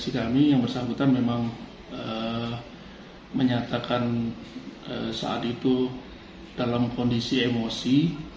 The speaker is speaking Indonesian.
kondisi kami yang bersangkutan memang menyatakan saat itu dalam kondisi emosi